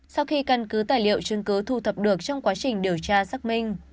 sau khi căn cứ tài liệu chương cứu thu thập được trong quá trình điều tra xác minh